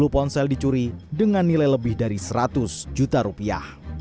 sepuluh ponsel dicuri dengan nilai lebih dari seratus juta rupiah